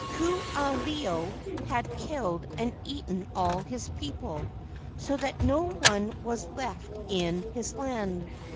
Ku aha ilo had killed and eaten all his people, so that no one was left in his land.